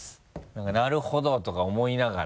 何か「なるほど」とか思いながらね。